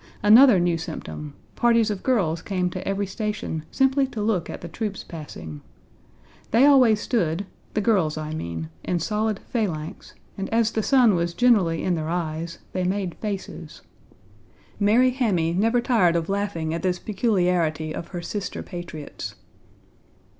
Another new symptom Parties of girls came to every station simply to look at the troops passing. They always stood (the girls , I mean) in solid phalanx, and as the sun was generally in their eyes, they made faces. Mary Hammy never tired of laughing at this peculiarity of her sister patriots.